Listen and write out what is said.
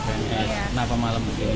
kenapa malam begini